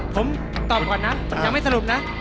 ผมตอบก่อนนะยังไม่สรุปนะ